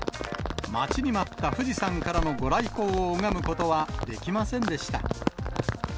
待ちに待った富士山からの御来光を拝むことはできませんでした。